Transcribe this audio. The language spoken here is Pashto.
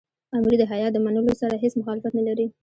امیر د هیات د منلو سره هېڅ مخالفت نه لري.